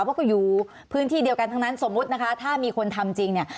เพราะก็อยู่พื้นที่เดียวกันทั้งนั้นสมมุตินะคะถ้ามีคนทำจริงเนี่ย